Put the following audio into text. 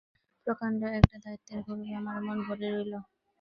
প্রকাণ্ড একটা দায়িত্বের গৌরবে আমার মন ভরে রইল।